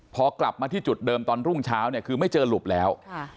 พอกลับมาที่จุดเดิมตอนรุ่งเช้าเนี่ยคือไม่เจอหลุบแล้ว